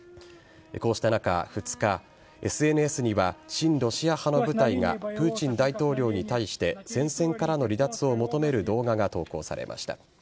こうした中、２日ＳＮＳには親ロシア派の部隊がプーチン大統領に対して戦線からの離脱を求める動画が投稿されました。